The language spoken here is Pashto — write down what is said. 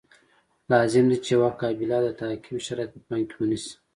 لازم دي چې یوه قابله د تعقیم شرایط په پام کې ونیسي.